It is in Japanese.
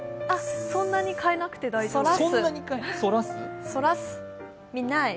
そんなに変えなくて大丈夫です。